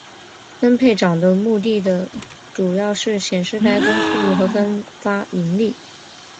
分配帐的目的主要是显示该公司如何分发盈利。